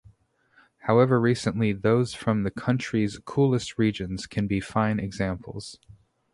However recently those from the country's coolest regions can be fine examples.